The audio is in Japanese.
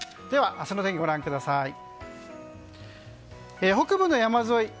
では明日の天気、ご覧ください。